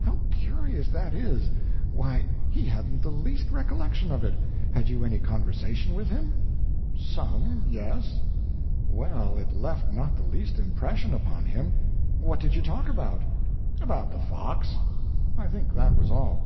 "How curious that is. Why, he hadn't the least recollection of it. Had you any conversation with him?" "Some yes." "Well, it left not the least impression upon him. What did you talk about?" "About the fox. I think that was all."